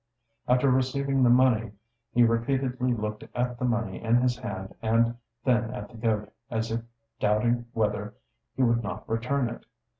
After receiving the money, he repeatedly looked at the money in his hand and then at the goat, as if doubting whether he would not return it.